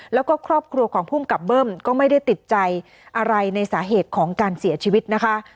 แล้วก็ครอบครัวของภูมิกับเบิ้มก็ไม่ได้ติดใจอะไรในสาเหตุของการเสียชีวิตนะคะ